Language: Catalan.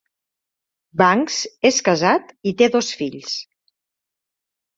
Banks és casat i té dos fills.